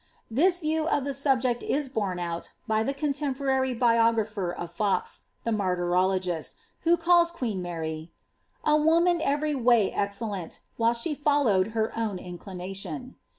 This view of the subject is borne out by the contemporary biogra pher of Fox, the martyrologist, who calls queen Mary, ^ a woman every way excellent, while she followed her own inclination."